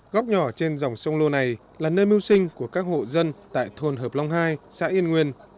góc nhỏ trên dòng sông lô này là nơi mưu sinh của các hộ dân tại thôn hợp long hai xã yên nguyên